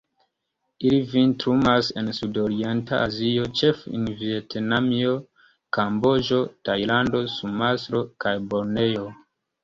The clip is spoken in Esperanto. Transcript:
Ili vintrumas en Sudorienta Azio, ĉefe en Vjetnamio, Kamboĝo, Tajlando, Sumatro kaj Borneo.